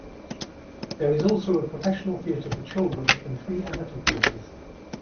There is also a professional theatre for children and three amateur theatres.